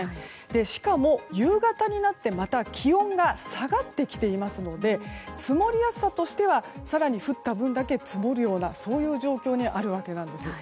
しかも、夕方になってまた気温が下がってきてますので積もりやすさとしては更に降った分だけ積もるようなそういう状況にあるわけです。